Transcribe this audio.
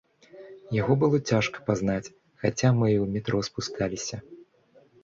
Яго было цяжка пазнаць, хаця мы і ў метро спускаліся.